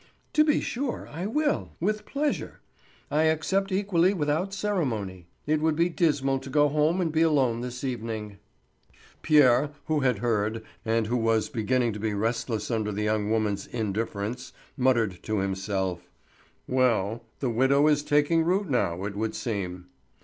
"To be sure I will, with pleasure; I accept equally without ceremony. It would be dismal to go home and be alone this evening." Pierre, who had heard, and who was beginning to be restless under the young woman's indifference, muttered to himself: "Well, the widow is taking root now, it would seem."